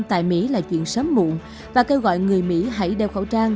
của người mỹ là chuyện sớm muộn và kêu gọi người mỹ hãy đeo khẩu trang